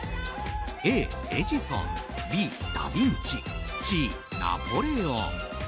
Ａ、エジソンＢ、ダビンチＣ、ナポレオン。